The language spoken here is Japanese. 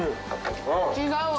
違うわ。